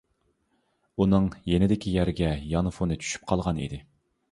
ئۇنىڭ يېنىدىكى يەرگە يانفونى چۈشۈپ قالغان ئىدى.